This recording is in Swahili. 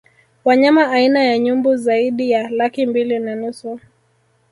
Wanyama aina ya Nyumbu zaidi ya laki mbili na nusu